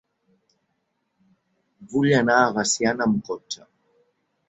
Vull anar a Veciana amb cotxe.